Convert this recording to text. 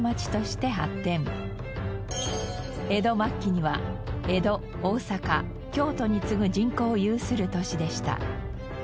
江戸末期には江戸大阪京都に次ぐ人口を有する都市でした。